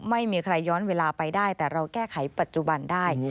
ไม่มีใครย้อนเวลาไปได้แต่เราแก้ไขปัจจุบันได้